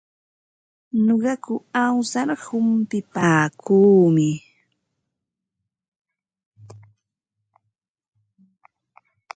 Nuqaku awsar humpipaakuumi.